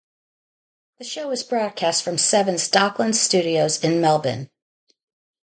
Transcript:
The show is broadcast from Seven's Docklands studios in Melbourne.